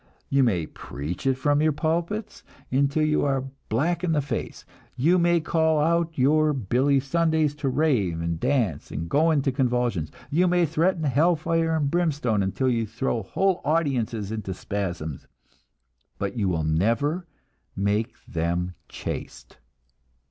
You may preach it from your pulpits until you are black in the face; you may call out your Billy Sundays to rave, and dance, and go into convulsions; you may threaten hell fire and brimstone until you throw whole audiences into spasms but you will never make them chaste.